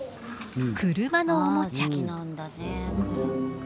車のおもちゃ。